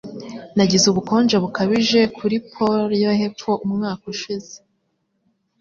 Nagize ubukonje bukabije kuri Pole yepfo umwaka ushize.